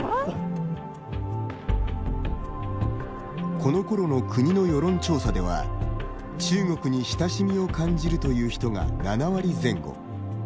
このころの国の世論調査では「中国に親しみを感じる」という人が７割前後。